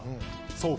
そう！